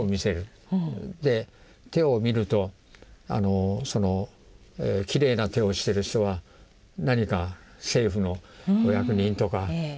手を見るときれいな手をしてる人は何か政府のお役人とか兵隊さんだったり。